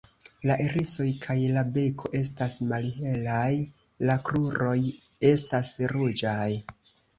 La irisoj kaj la beko estas malhelaj; la kruroj estas ruĝaj.